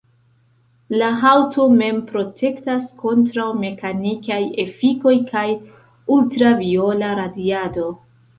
La haŭto mem protektas kontraŭ mekanikaj efikoj, kaj ultraviola radiado.